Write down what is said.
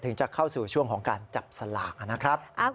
จะเข้าสู่ช่วงของการจับสลากนะครับ